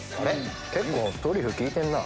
結構トリュフ利いてるな。